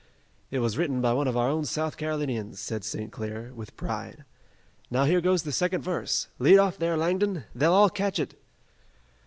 "It was written by one of our own South Carolinians," said St. Clair, with pride. "Now here goes the second verse! Lead off, there, Langdon! They'll all catch it!"